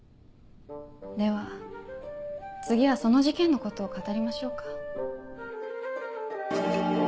では次はその事件のことを語りましょうか。